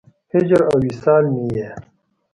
هجر او وصال مې یې